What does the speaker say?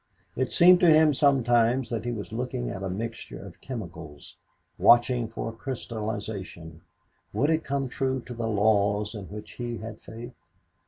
It seemed to him sometimes that he was looking at a mixture of chemicals watching for a crystallization would it come true to the laws in which he had faith?